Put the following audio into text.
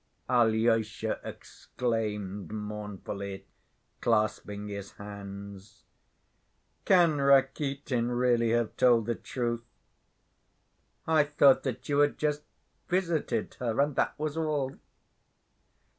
Alyosha exclaimed mournfully, clasping his hands. "Can Rakitin really have told the truth? I thought that you had just visited her, and that was all."